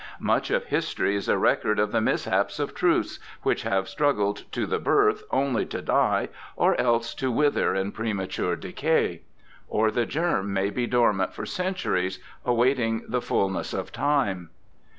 Much of history is a record of the mishaps of truths which have struggled to the birth, onl}' to die or else to wither in premature decay. Or the germ may be dormant for centuries, awaiting the fullness of time.